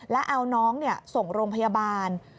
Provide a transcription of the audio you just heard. แล้วเอาน้องส่งโรงพยาบาล